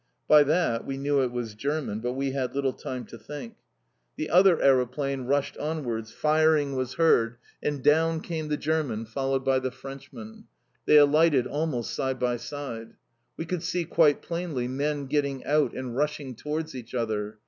By that we knew it was German, but we had little time to think. The other aeroplane rushed onwards; firing was heard, and down came the German, followed by the Frenchman. They alighted almost side by side. We could see quite plainly men getting out and rushing towards each other.